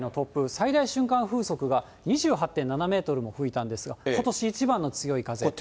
最大瞬間風速が２８．７メートルも吹いたんですが、ことし一番の強い風。